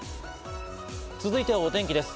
続いてはお天気です。